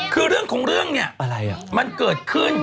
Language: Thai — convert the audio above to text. คือเรื่องของเรื่องเนี่ยมันเกิดขึ้น